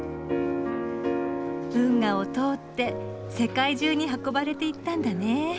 運河を通って世界中に運ばれていったんだね。